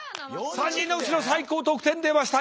３人のうちの最高得点出ました